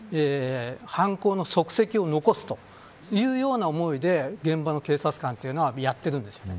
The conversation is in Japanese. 犯行の足跡を残すというような思いで現場の警察官というのはやっているんです。